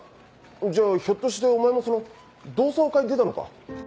じゃあひょっとしてお前もその同窓会に出たのか？